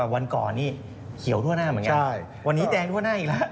วันก่อนนี่เขียวทั่วหน้าเหมือนกันวันนี้แดงทั่วหน้าอีกแล้ว